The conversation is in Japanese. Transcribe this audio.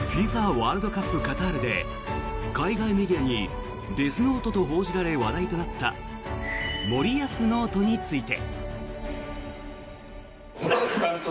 ワールドカップカタールで海外メディアにデスノートと報じられ話題となった森保ノートについて。